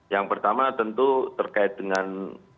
yang pertama tentu terkait dengan